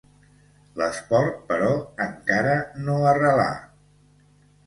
L'esport, però, encara no arrelà.